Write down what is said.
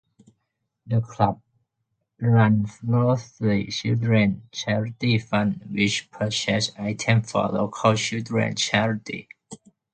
The club runs Roary's Children's Charity Fund which purchases items for local children's charities.